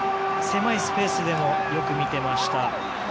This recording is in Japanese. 狭いスペースでもよく見ていました。